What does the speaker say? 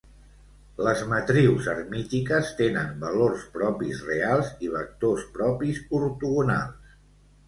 Les matrius hermítiques tenen valors propis reals i vectors propis ortogonals.